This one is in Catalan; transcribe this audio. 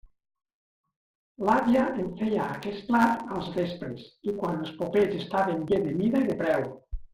L'àvia em feia aquest plat als vespres i quan els popets estaven bé de mida i de preu.